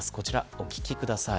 お聞きください。